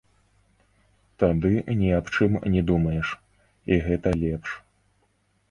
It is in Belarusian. Тады ні аб чым не думаеш, і гэта лепш.